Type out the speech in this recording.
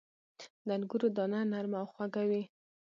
• د انګورو دانه نرمه او خواږه وي.